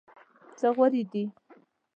څه غورې دي.